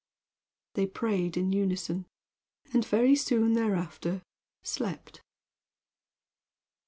They prayed in unison, and very soon thereafter slept.